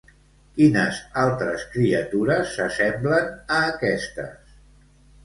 Quines altres criatures s'assemblen a aquestes?